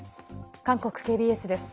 韓国ＫＢＳです。